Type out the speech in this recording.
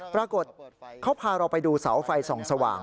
ปรากฏเขาพาเราไปดูเสาไฟส่องสว่าง